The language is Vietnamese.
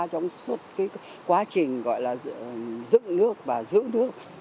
trong suốt quá trình gọi là giữ nước và giữ nước